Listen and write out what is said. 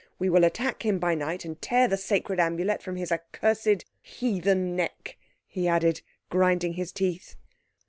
We will attack him by night and tear the sacred Amulet from his accursed heathen neck," he added, grinding his teeth.